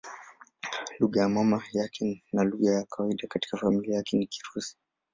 Lugha ya mama yake na lugha ya kawaida katika familia yake ni Kirusi.